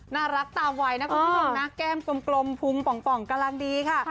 น่ารักตามวัยนะคุณผู้ชมนะแก้มกลมพุงป่องกำลังดีค่ะ